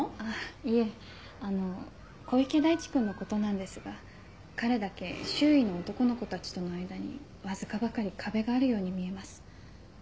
いえあの小池大地君のことなんですが彼だけ周囲の男の子たちとの間にわずかばかり壁があるように見えます。